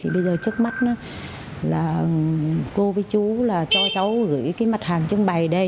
bây giờ trước mắt cô với chú cho cháu gửi mặt hàng trưng bày đây